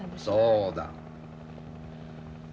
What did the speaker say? そうだ。